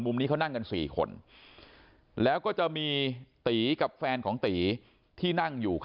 มุมนี้เขานั่งกัน๔คนแล้วก็จะมีตีกับแฟนของตีที่นั่งอยู่